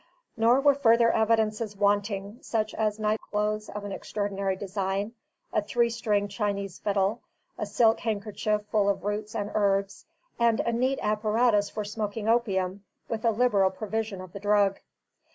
Nor were further evidences wanting, such as night clothes of an extraordinary design, a three stringed Chinese fiddle, a silk handkerchief full of roots and herbs, and a neat apparatus for smoking opium, with a liberal provision of the drug.